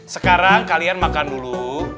sekarang kalian makan dulu